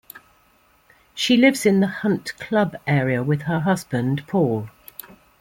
She lives in the Hunt Club area with her husband, Paul.